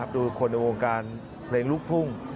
ดูคนในวงการเพลงลูกทุ่ง